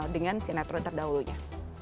dengan sinetron terdahulunya